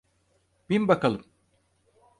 Bin bakalım.